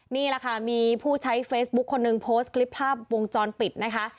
นี่แหละค่ะมีผู้ใช้เฟซบุ๊คคนหนึ่งโพสต์คลิปภาพวงจรปิดนะคะ